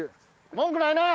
文句ないな！？